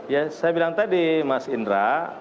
ya saya bilang tadi mas indra